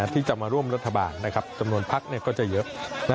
ที่จะมาร่วมรัฐบาลจำนวนพักก็จะเยอะ